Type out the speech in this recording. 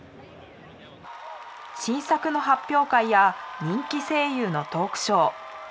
新作の発表会や人気声優のトークショー。